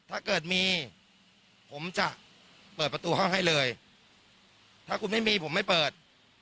ไอ้คนที่มาบุกห้องเอ่ยเรามีบปวด